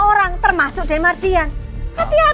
iya bersama ratio delapan